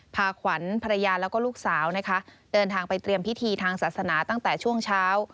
พาขวัญภรรยาแล้วก็ลูกสาวนะคะเดินทางไปเตรียมพิธีทางศาสนาตั้งแต่ช่วงเช้า